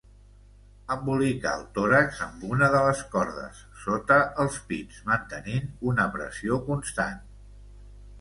Embolicar el tòrax amb una de les cordes, sota els pits, mantenint una pressió constant.